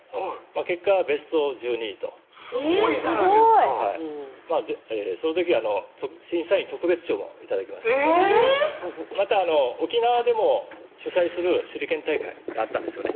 結果はベスト１２位とすごいじゃないですかその時は審査員特別賞も頂きましてえぇっまた沖縄でも主催する手裏剣大会があったんですよね